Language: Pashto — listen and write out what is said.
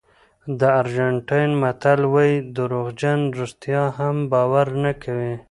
د ارجنټاین متل وایي دروغجن رښتیا هم باور نه کوي.